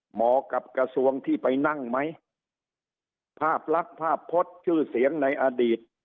เหมาะกับกระทรวงที่ไปนั่งไหมภาพลักษณ์ภาพพจน์ชื่อเสียงในอดีต